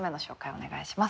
お願いします。